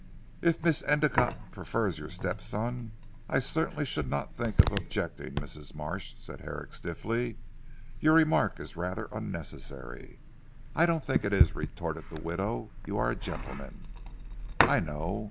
"If Miss Endicotte prefers your step son I certainly should not think of objecting Mrs. Marsh," said Herrick stiffly. "Your remark is rather unnecessary." "I don't think it is," retorted the widow, "you are a gentleman, I know.